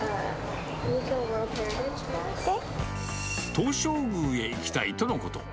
東照宮へ行きたいとのこと。